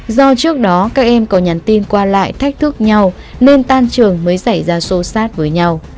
do trước đó các em có nhắn tin qua lại thách thức nhau nên tan trường mới xảy ra sô sát với nhau